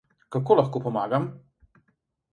Kako lahko pomagam?